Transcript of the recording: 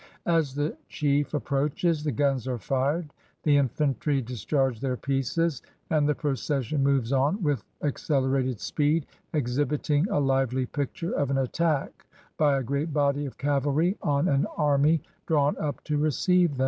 As the chief approaches, the guns are fired, the infantry discharge their pieces, and the procession moves on with accelerated speed, exhib iting a lively picture of an attack by a great body of cavalry on an army drawn up to receive them.